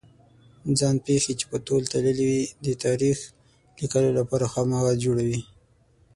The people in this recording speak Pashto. ځان پېښې چې په تول تللې وي د تاریخ لیکلو لپاره خام مواد جوړوي.